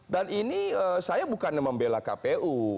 dan ini saya bukan membela kpu